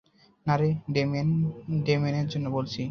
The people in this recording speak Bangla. না, ডেমিয়েনের জন্য বলছি।